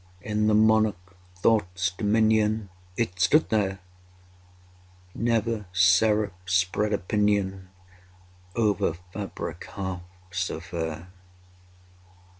In the monarch Thought's dominion— It stood there! Never seraph spread a pinion Over fabric half so fair.